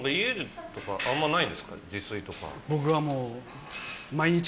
僕はもう。え！